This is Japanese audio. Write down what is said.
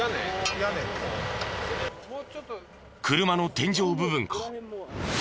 車の天井部分か？